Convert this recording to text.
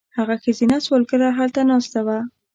هغه ښځینه سوداګره هلته ناسته وه.